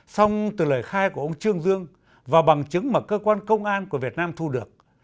xong từ lời khai của ông trương dương và bằng chứng mà cơ quan công an của việt nam thu được